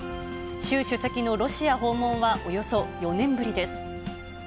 習主席のロシア訪問はおよそ４年ぶりです。